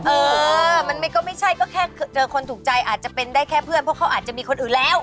เออมันก็ไม่ใช่ก็แค่เจอคนถูกใจอาจจะเป็นได้แค่เพื่อนเพราะเขาอาจจะมีคนอื่นแล้ว